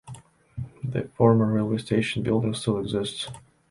The former railway station building still exists.